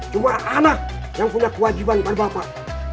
cuma anak yang punya kewajiban pada bapak